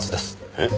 えっ？